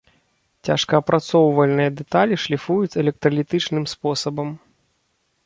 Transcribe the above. Цяжкаапрацоўвальныя дэталі шліфуюць электралітычным спосабам.